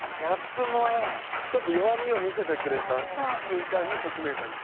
ちょっと弱みを見せてくれた瞬間にときめいたんですか。